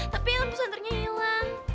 tapi lampu senternya hilang